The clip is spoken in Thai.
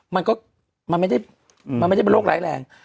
มันก็มันไม่ได้มันไม่ได้เป็นโรคร้ายแรง